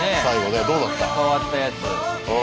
ねっ変わったやつ。